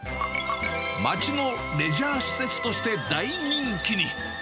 町のレジャー施設として大人気に。